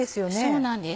そうなんです。